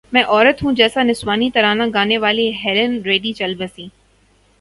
میں عورت ہوں جیسا نسوانی ترانہ گانے والی ہیلن ریڈی چل بسیں